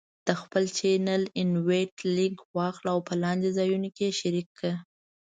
د خپل چینل Invite Link واخله او په لاندې ځایونو کې یې شریک کړه: